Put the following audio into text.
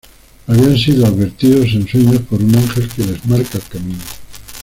Habían sido advertidos en sueños por un ángel, que les marca el camino.